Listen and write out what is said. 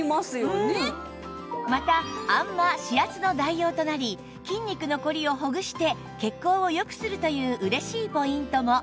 またあんま・指圧の代用となり筋肉の凝りをほぐして血行を良くするという嬉しいポイントも